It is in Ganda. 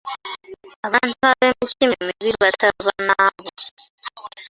Abantu ab'emitima emibi batta bannaabwe.